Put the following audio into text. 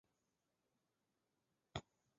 这边一盏路灯都没有